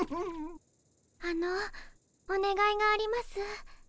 あのおねがいがあります。